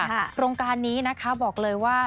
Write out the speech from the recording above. โครงการนี้นะคะบอกเลยว่า